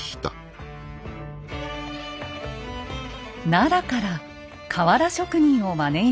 奈良から瓦職人を招いたのです。